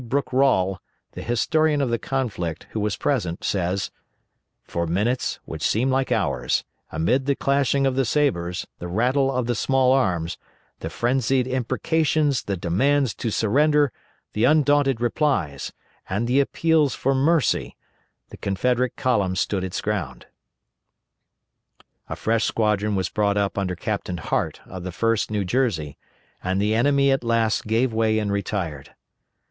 Brooke Rawle, the historian of the conflict, who was present, says, "For minutes, which seemed like hours, amid the clashing of the sabres, the rattle of the small arms, the frenzied imprecations, the demands to surrender, the undaunted replies, and the appeals for mercy, the Confederate column stood its ground." A fresh squadron was brought up under Captain Hart of the 1st New Jersey, and the enemy at last gave way and retired.